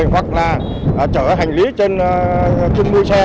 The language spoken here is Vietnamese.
hoặc là chở hành lý trên chung mưu xe